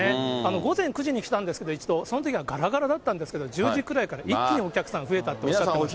午前９時に来たんですけど、一度、そのときはがらがらだったんですけど、１０時くらいから一気にお客さん増えたっておっしゃってました。